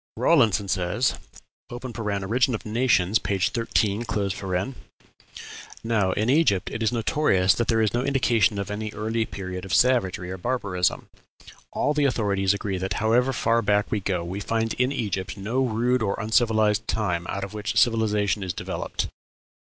Rawlinson says ("Origin of Nations," p. 13): "Now, in Egypt, it is notorious that there is no indication of any early period of savagery or barbarism. All the authorities agree that, however far back we go, we find in Egypt no rude or uncivilized time out of which civilization is developed.